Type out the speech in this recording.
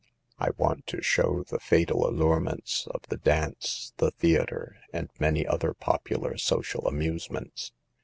I want to show the fatal allurements of the dance, the theater, and many other popular social amusements.